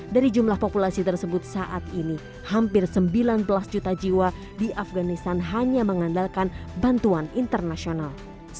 dari jumlah populasi tersebut saat ini hampir sembilan belas juta jiwa di afganistan hanya mengandalkan bantuan internasional